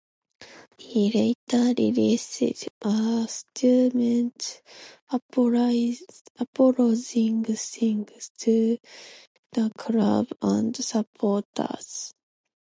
He later released a statement apologising to the club and supporters.